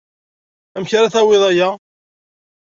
Amek ara d-tawiḍ aya?